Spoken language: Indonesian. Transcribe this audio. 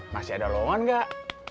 masih ada ruangan gak